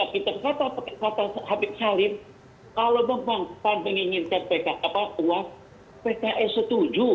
kita kata kata habib salim kalau memang pak sby menginginkan pks setuju